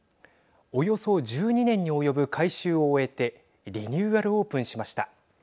およそ１２年に及ぶ改修を終えてリニューアルオープンしました。